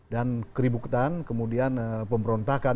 dan keributan kemudian pemberontakan